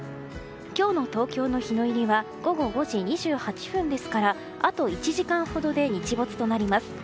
今日の東京の日の入りは午後５時２８分ですからあと１時間ほどで日没となります。